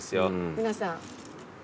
皆さん。